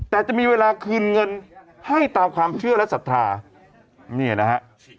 แต่จะมีเวลาคืนเงินให้ตามความเชื่อและศรัทธาเนี่ยนะฮะ